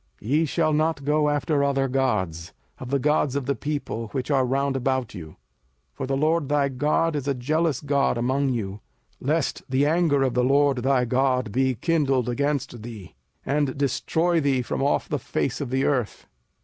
05:006:014 Ye shall not go after other gods, of the gods of the people which are round about you; 05:006:015 (For the LORD thy God is a jealous God among you) lest the anger of the LORD thy God be kindled against thee, and destroy thee from off the face of the earth.